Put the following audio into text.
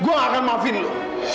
gue gak akan maafin lo